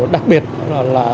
đặc biệt là